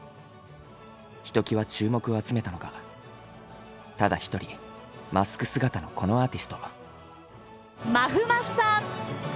ひときわ注目を集めたのがただ一人マスク姿のこのアーティスト。